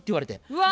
うわ！